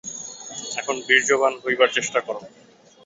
এখন বীর্যবান হইবার চেষ্টা কর।